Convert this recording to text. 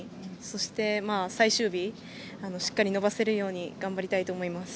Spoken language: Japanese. そして、最終日しっかり伸ばせるように頑張りたいと思います。